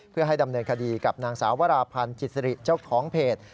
เพื่อให้ดำเนินคดีกับนางสาววราพันธ์จิตสิริเจ้าของเพจ